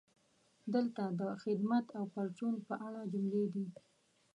دلته د "خدمت او پرچون" په اړه جملې دي: